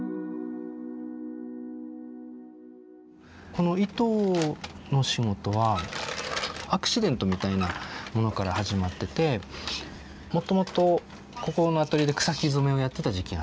この糸の仕事はアクシデントみたいなものから始まっててもともとここのアトリエで草木染めをやってた時期があって。